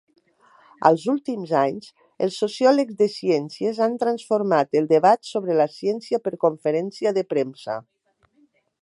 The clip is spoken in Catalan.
Als últims anys, els sociòlegs de ciències han transformat el debat sobre la "ciència per conferència de premsa".